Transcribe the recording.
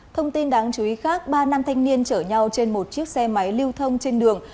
thông tin đáng chú ý khác ba nam thanh niên chở nhau trên một chiếc xe máy lưu thông trên đường